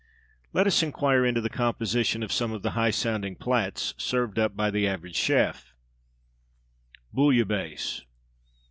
Let us enquire into the composition of some of the high sounding plats, served up by the average chef. _Bouillabaisse.